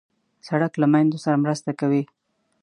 سړک له میندو سره مرسته کوي.